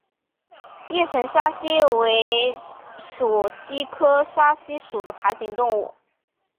叶城沙蜥为鬣蜥科沙蜥属的爬行动物。